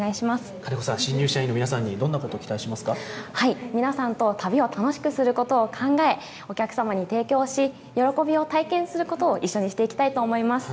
金子さん、新入社員の皆さん皆さんと旅を楽しくすることを考え、お客様に提供をし、喜びを体験することを一緒にしていきたいと思います。